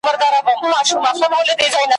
هغه ښکار وو د ده غار ته ورغلی,